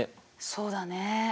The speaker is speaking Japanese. そうだね。